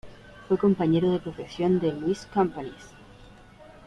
Fue compañero de profesión de Lluís Companys.